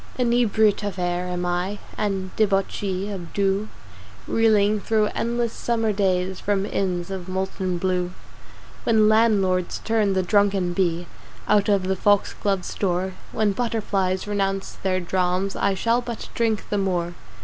Inebriate of Air am I And Debauchee of Dew Reeling thro endless summer days From inns of Molten Blue When "Landlords" turn the drunken Bee Out of the Foxglove's door When Butterflies renounce their "drams" I shall but drink the more!